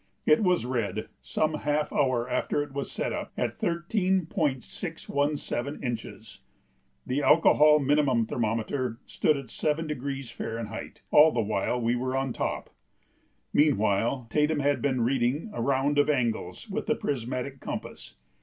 It was read, some half hour after it was set up, at 13.617 inches. The alcohol minimum thermometer stood at 7° F. all the while we were on top. Meanwhile, Tatum had been reading a round of angles with the prismatic compass.